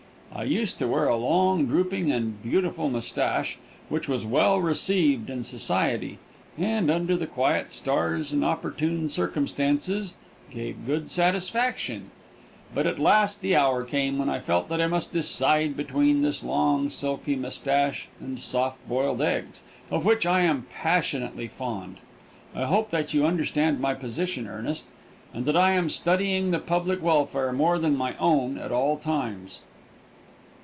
I used to wear a long, drooping and beautiful mustache, which was well received in society, and, under the quiet stars and opportune circumstances, gave good satisfaction; but at last the hour came when I felt that I must decide between this long, silky mustache and soft boiled eggs, of which I am passionately fond. I hope that you understand my position, Earnest, and that I am studying the public welfare more than my own at all times.